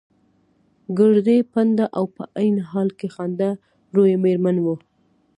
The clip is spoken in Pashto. ګردۍ، پنډه او په عین حال کې خنده رویه مېرمن وه.